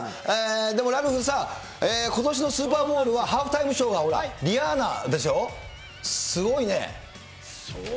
でもラルフさ、ことしのスーパーボウルは、ハーフタイムショーがリアーナでしょう。